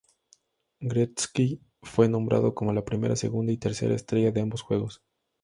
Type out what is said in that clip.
Gretzky fue nombrado como la primera, segunda, y tercera estrella de ambos juegos.